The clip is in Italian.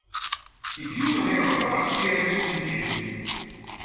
I più non erano capaci di reggersi in piedi.